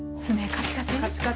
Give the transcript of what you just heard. カチカチ。